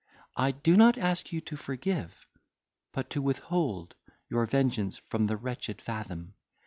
I do not ask you to forgive, but to withhold your vengeance from the wretched Fathom.